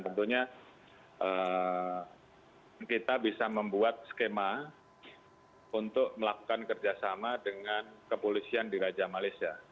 tentunya kita bisa membuat skema untuk melakukan kerjasama dengan kepolisian di raja malaysia